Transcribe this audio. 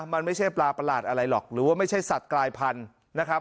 มันไม่ใช่ปลาประหลาดอะไรหรอกหรือว่าไม่ใช่สัตว์กลายพันธุ์นะครับ